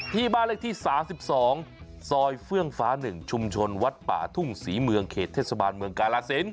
ที่บ้านเลขที่๓๒ซอยเฟื่องฟ้า๑ชุมชนวัดป่าทุ่งศรีเมืองเขตเทศบาลเมืองกาลสิน